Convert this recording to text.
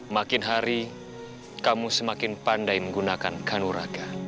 makin hari kamu semakin pandai menggunakan kanuraka